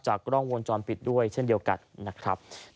กล้องวงจรปิดด้วยเช่นเดียวกันนะครับ